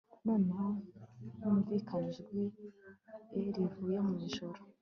Nanone humvikanye ijwi e rivuye mu ijuru